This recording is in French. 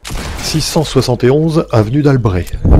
six cent soixante et onze avenue d'Albret